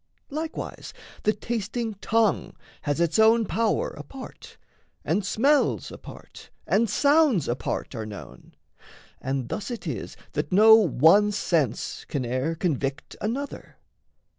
Likewise the tasting tongue Has its own power apart, and smells apart And sounds apart are known. And thus it is That no one sense can e'er convict another.